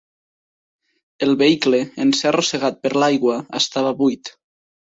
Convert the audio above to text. El vehicle, en ser arrossegat per l’aigua, estava buit.